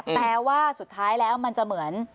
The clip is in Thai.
แปลว่าสุดท้ายแล้วมันจะเหมือน